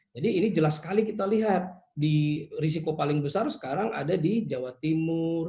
jadi ini jelas sekali kita lihat di risiko paling besar sekarang ada di jawa timur